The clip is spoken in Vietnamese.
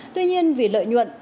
tuy nhiên vì lợi nhuận